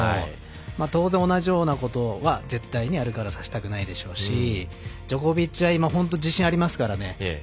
当然同じようなことはアルカラスしたくないでしょうしジョコビッチは今本当に自信がありますからね。